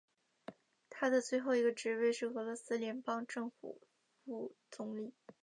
他的最后一个职位是俄罗斯联邦政府副总理。